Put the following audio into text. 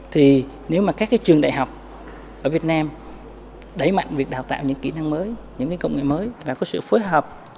thì nếu mà các trường đại học ở việt nam đẩy mạnh việc đào tạo những kỹ năng mới những công nghệ mới và có sự phối hợp chặt chẽ với các doanh nghiệp